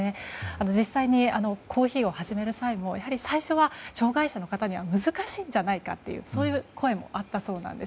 実際にコーヒーを始める際も最初は障害者の方には難しいんじゃないかという声もあったそうです。